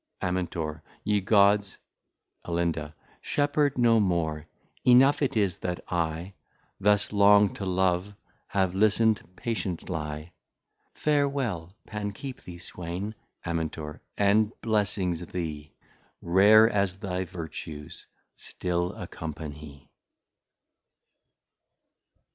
Amintor. Ye Gods Alin. Shepherd, no more: enough it is that I, Thus long to Love, have listn'd patiently. Farewel: Pan keep thee, Swain. Amintor. And Blessings Thee, Rare as thy Vertues, still accompany.